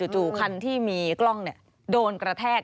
จู่คันที่มีกล้องโดนกระแทก